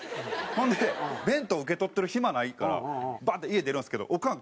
ほんで弁当受け取ってる暇ないからバッて家出るんですけどおかん